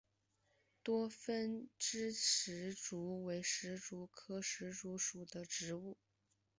多分枝石竹为石竹科石竹属的植物。